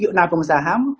yuk nagung saham